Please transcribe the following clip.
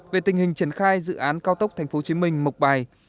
về tình hình triển khai dự án cao tốc tp hcm mộc bài